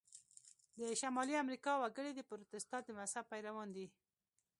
د شمالي امریکا وګړي د پروتستانت د مذهب پیروان دي.